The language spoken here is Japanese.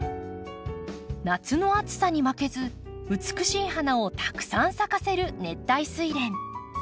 夏の暑さに負けず美しい花をたくさん咲かせる熱帯スイレン。